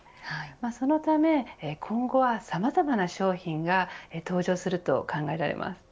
そのため、今後はさまざまな商品が登場すると考えられます。